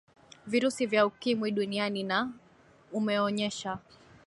virusi vya ukimwi duniani na umeonyesha